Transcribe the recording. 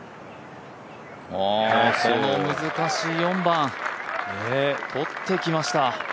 この難しい４番、とってきました。